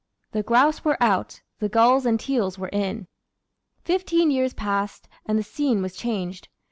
The grouse were out, the gulls and teals were in. Fifteen years passed, and the scene was changed.